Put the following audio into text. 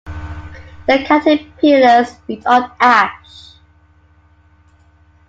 The caterpillars feed on ash.